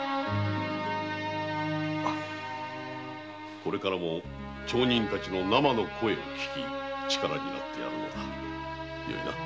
これからも町人たちのナマの声を聞き力になってやるのだ。